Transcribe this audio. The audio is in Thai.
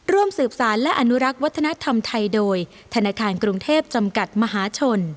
ร่วมสืบสารและอนุรักษ์วัฒนธรรมไทยโดยธนาคารกรุงเทพจำกัดมหาชน